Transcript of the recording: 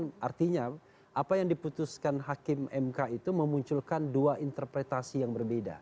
yang artinya apa yang diputuskan hakim mk itu memunculkan dua interpretasi yang berbeda